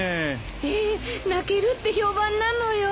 ええ泣けるって評判なのよ。